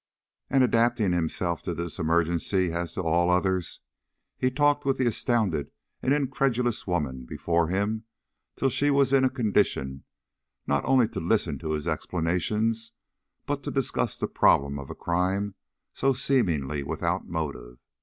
And, adapting himself to this emergency as to all others, he talked with the astounded and incredulous woman before him till she was in a condition not only to listen to his explanations, but to discuss the problem of a crime so seemingly without motive.